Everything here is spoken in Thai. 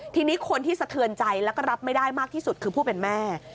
ทีนี้คนที่สะเทือนใจแล้วก็รับไม่ได้มากที่สุดคือผู้เป็นแม่